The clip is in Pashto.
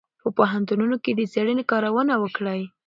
په پوهنتونونو کې د څېړنې کارونه وکړئ.